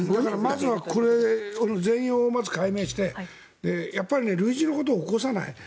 まずはこれ全容を解明してやっぱり、類似のことを起こさない。